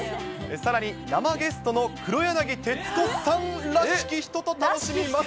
さらに、生ゲストの黒柳徹子さんらしき人と楽しみます。